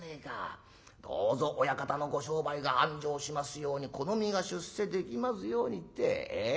『どうぞ親方のご商売が繁盛しますように。この身が出世できますように』って。え？